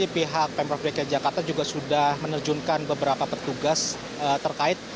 pihak bumreka jakarta ini juga sudah menerjunkan beberapa petugas terkait